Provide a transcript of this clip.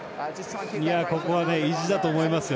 いや、ここは意地だと思いますよ。